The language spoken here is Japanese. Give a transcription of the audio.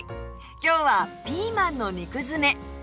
今日はピーマンの肉づめ